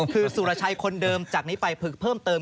คือสุรชัยคนเดิมจากนี้ไปผึกเพิ่มเติม